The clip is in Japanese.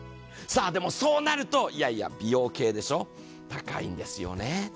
そうなると、いやいや美容系でしょ高いんですよね。